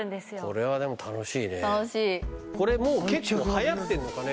これはでも楽しいねこれもう結構はやってんのかね？